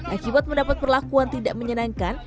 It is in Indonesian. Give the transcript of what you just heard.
akibat mendapat perlakuan tidak menyenangkan